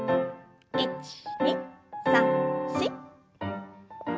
１２３４。